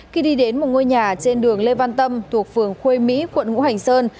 khi đi đến một ngôi nhà trên đường lê văn tâm thuộc phường khuê mỹ quận ngũ hành sơn